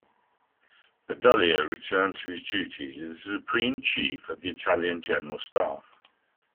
Badoglio returned to his duties as the Supreme Chief of the Italian General Staff.